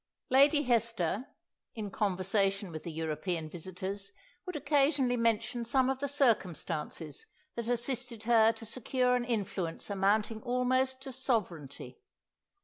Lady Hester, in conversation with the European visitors, would occasionally mention some of the circumstances that assisted her to secure an influence amounting almost to sovereignty.